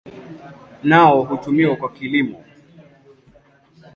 Nao hutumiwa kwa kilimo.